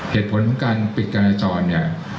เหตุผลของการปิดการจราจรเนี่ย